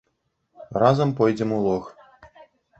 Разам пойдзем у лог.